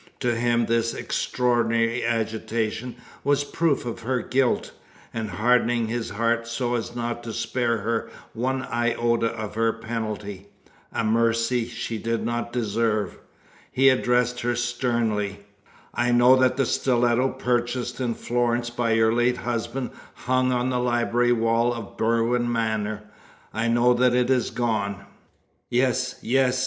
To him this extraordinary agitation was a proof of her guilt; and hardening his heart so as not to spare her one iota of her penalty a mercy she did not deserve he addressed her sternly: "I know that a stiletto purchased in Florence by your late husband hung on the library wall of Berwin Manor. I know that it is gone!" "Yes! yes!"